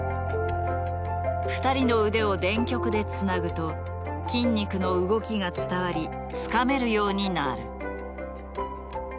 ２人の腕を電極でつなぐと筋肉の動きが伝わりつかめるようになる。